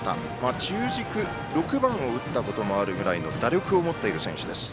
中軸、６番を打ったこともあるぐらいの打力を持っている選手です。